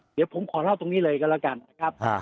เดี๋ยวผมขอเล่าตรงนี้เลยก็แล้วกันนะครับ